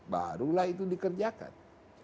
barulah itu dikerjakan